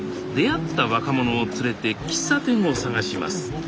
出会った若者を連れて喫茶店を探します